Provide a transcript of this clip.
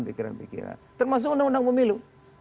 pikiran pikiran termasuk undang undang pemilu